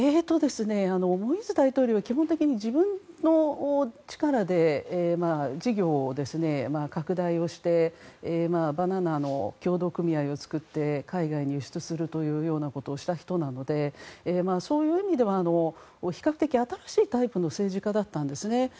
モイーズ大統領は基本的に自分の力で事業を拡大してバナナの協同組合を作って海外に輸出するというようなことをした人なのでそういう意味では比較的、新しいタイプの政治家だったんですね。